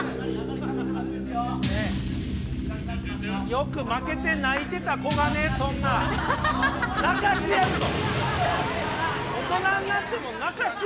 よく負けて泣いてた子がね、泣かしてやると。